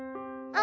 「あ！」